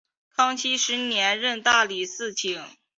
康熙十年任大理寺卿。